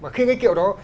khiêng cái kiệu đó